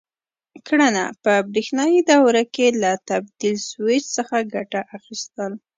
کړنه: په برېښنایي دوره کې له تبدیل سویچ څخه ګټه اخیستل: